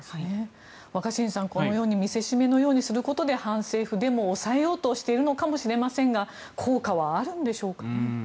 若新さん、このように見せしめのようにすることで反政府デモを抑えようとしているのかもしれませんが効果はあるんでしょうか。